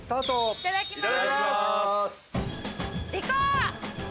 いただきます。